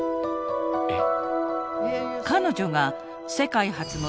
えっ！